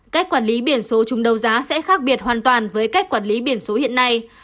cách quản lý biển số chúng đấu giá sẽ khác biệt hoàn toàn với cách quản lý biển số hiện nay